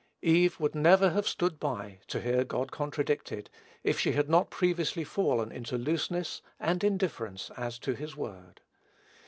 Eve would never have stood by to hear God contradicted, if she had not previously fallen into looseness and indifference as to his word.